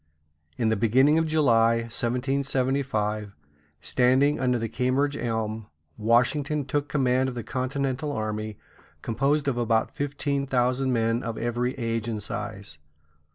In the beginning of July, 1775, standing under the Cambridge Elm, Washington took command of the continental army, composed of about fifteen thousand men of every age and size.